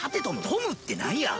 トムってなんや？